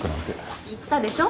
言ったでしょ？